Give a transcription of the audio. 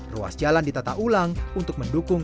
ruas jalan ditata ulang untuk mendukung